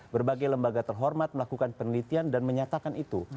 berbagai lembaga terhormat melakukan penelitian dan menyatakan itu